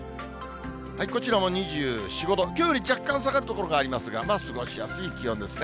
こちらも２４、５度、きょうより若干下がる所がありますが、まあ過ごしやすい気温ですね。